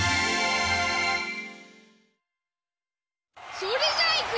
それじゃあいくよ！